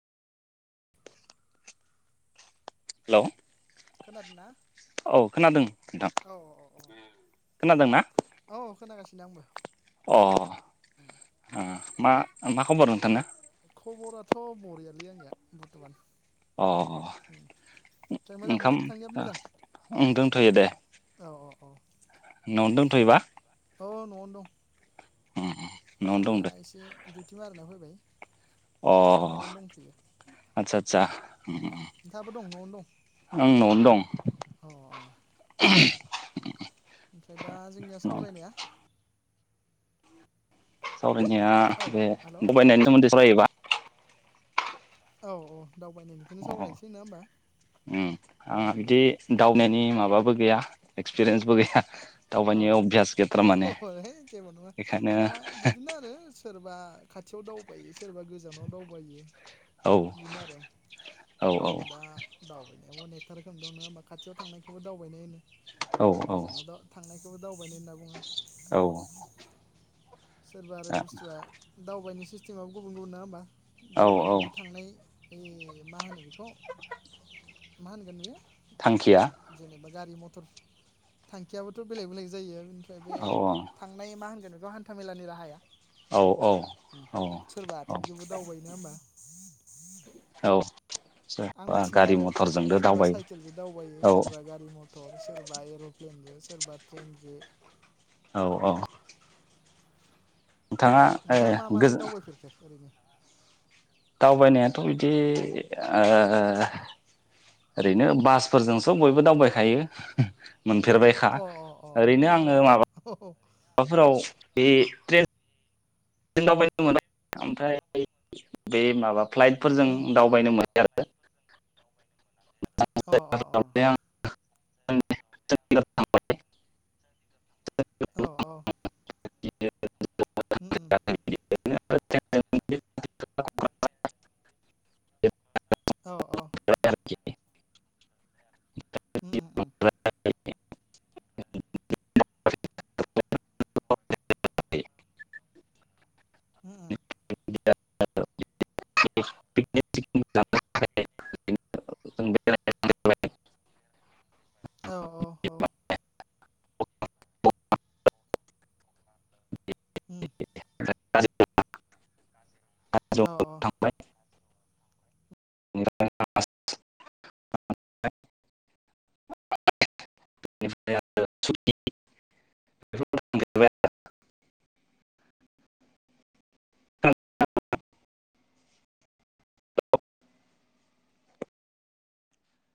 Hello खोनादों ना औ खोनादों नोंथां औ खोनादों ना औ औ [unintelligible] अ उम मा मा खबर नोंथांना। खबराथ बरियालै आंनिया बरथमान अ मोजांबा ओंखाम नोंथांनियाबो मोजां दोनथयो दे औ औ औ नआवनो दोनथयोबा? औ नआवनो दं। न'आवनो दा दं दे एसे दिडउटि मारिना फैबाय अ दा न'आवनो दंथ'यो आदसा आदसा ओम नोंथाङाबो दं न'आवनो दं आं नआव दं औ औ [inaudible] ओमफ्राय दा जोंनिया दं सावरायनाया सावरायनाया औ बे हेल' दंफां गायनायनि सोमोन्दै सावरायोबा। औ औ दावबायनायनिखौनो अ सावरायनोसै नङा होमबा उम आंहा बिदि दावनायनि माबाबो गैया एक्सपिरियेन्सबो गैया। औ दावबायनि अभ्यास गैथारा माने औ है जेबो नङा बेखायनो दा बिदिनो आरो सोरबा खाथियाव दावबायो सोरबा गोजानाव दावबायो औ बेनो आरो औ औ दा दावहैनाया अनेकथा रोखोम दं नङा होमबा खाथियाव थांनाय बेखौबो दावबायनाय होनो। औ औ गोजानाव [inaudible] दावबायनाय औ होनना बुङो। सोरबा आरो बुस्थुआ दावबायनाय सि सिथिमाबबो गुबुन गुबुन ना होमबा। औ औ दावबायनायनि थांनाय ओइ मा होनो बेखौ [unintelligible] मा होनगोन बियो थांखिया जेनेबा गारि म थांखियाबोथ बेलेग बेलेग जायो। बेनिफ्राय बे औ थांनाय मा होनो जेनेबा हान्थाामेलानि राहाया औ औ सोरबा औ आथिंजोंबो दावबाय नङा होमबा? औ। आं मिथिनाय गारि आरो मथरजोंनो सोरबा दावबायो साइकेलजों दावबायो औ सोरबा गारि मथर सोरबा एर फेनजो सोरबा ट्रेनजो औ औ। नोंथाङा ओ नोंथाङा मा गोजो माजों दावबायफेरखो ओरैनो? दावबायनायाथ इदि ओ ओरैनो बासफोरजों स बयबो दावबायखायो। मोनफेरबायखा अ अ बेबो ओरैनो नंगौ आङो औ माबा औ माबाफोराव बेे ट्रे दावबायनो [unintelligible] ओमफ्राय बे माबा फ्लाइटफोरजों उम दावबायनो मोन [unintelligible] अ अ अ [unintelligible] आं [unintelligible] औ औ उम [unintelligible] [unintelligible] औ औ [inaudible] आरो [inaudible] [unintelligible] औ औ औ [unintelligible] उम औ औ [unintelligible] [unintelligible]